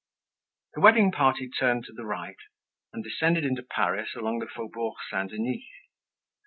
The wedding party turned to the right, and descended into Paris along the Faubourg Saint Denis.